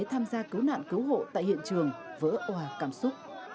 tham gia cứu nạn cứu hộ tại hiện trường vỡ hòa cảm xúc